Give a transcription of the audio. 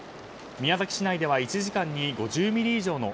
宮崎市内では１時間に５０ミリ以上の